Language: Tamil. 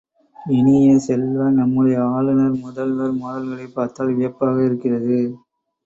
இனிய செல்வ, நம்முடைய ஆளுநர் முதல்வர் மோதல்களைப் பார்த்தால் வியப்பாக இருக்கிறது.